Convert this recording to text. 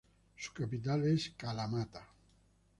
Su capital es Kalamata.